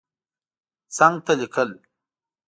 څنګ ته لیکل